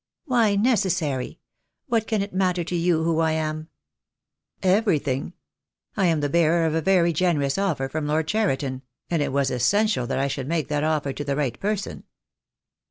"Why necessary? What can it matter to you who I am?" "Everything. I am the bearer of a very generous offer from Lord Cheriton — and it was essential that I should make that offer to the right person."